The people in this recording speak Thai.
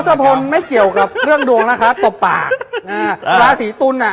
ทดสะพรนด์ไม่เกี่ยวกับเรื่องดวงนะคะตบปากเอ๊ะราศีตนอ่ะ